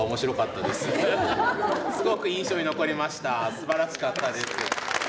すばらしかったです。